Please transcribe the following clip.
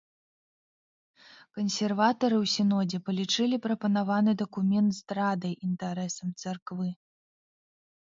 Кансерватары ў сінодзе палічылі прапанаваны дакумент здрадай інтарэсам царквы.